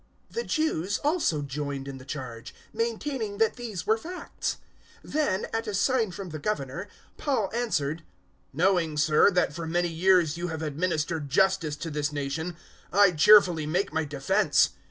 024:009 The Jews also joined in the charge, maintaining that these were facts. 024:010 Then, at a sign from the Governor, Paul answered, "Knowing, Sir, that for many years you have administered justice to this nation, I cheerfully make my defence.